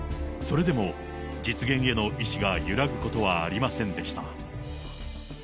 それでも実現への意志は揺らぐことはありませんでした。